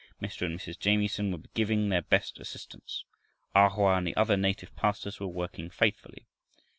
Mr. and Mrs. Jamieson were giving their best assistance. A Hoa and the other native pastors were working faithfully.